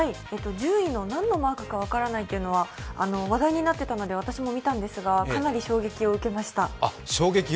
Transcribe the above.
１０位の何のマークか分からないというのは話題になっていたので私も見たんですが、かなり衝撃を受けました。